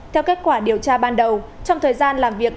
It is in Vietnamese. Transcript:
theo kết quả điều tra ban đầu trong thời gian làm việc